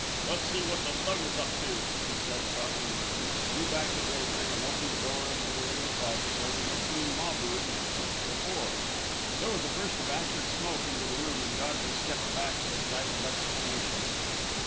"Let's see what the Thug is up to," he said, crossed the room, drew back the drapery, and opened the door into the little closet where we had seen Mahbub once before. There was a burst of acrid smoke into the room, and Godfrey stepped back with a stifled exclamation.